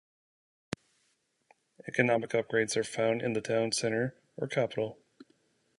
Economic upgrades are found in the town center or capitol.